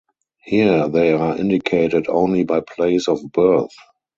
Here, they are indicated only by place of birth.